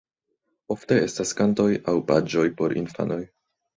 Ofte estas kantoj aŭ paĝoj por infanoj.